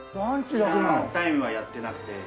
ディナータイムはやってなくて。